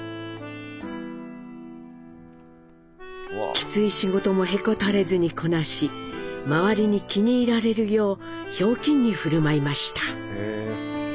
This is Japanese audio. きつい仕事もへこたれずにこなし周りに気に入られるようひょうきんに振る舞いました。